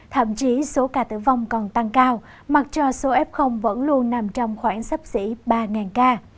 thậm chí số ca tử vong còn tăng cao mặc cho số f vẫn luôn nằm trong khoảng sắp xỉ ba ca